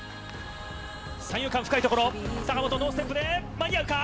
三遊間、深い所、坂本、ノーステップで間に合うか？